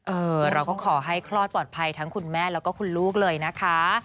เราก็ขอให้คลอดปลอดภัยทั้งคุณแม่แล้วก็คุณลูกเลยนะคะ